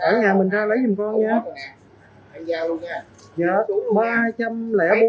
ở nhà mình ra lấy dùm con nha